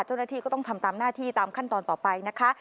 เจ้าหน้าที่ก็ต้องทำตามหน้าที่ตามขั้นตอนต่อไปนะคะ